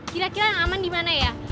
kira kira yang aman dimana ya